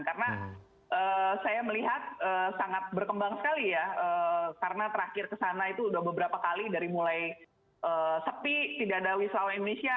karena saya melihat sangat berkembang sekali ya karena terakhir ke sana itu sudah beberapa kali dari mulai sepi tidak ada wisatawan indonesia